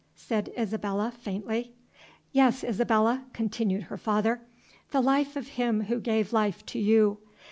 said Isabella, faintly. "Yes, Isabella," continued her father, "the life of him who gave life to you.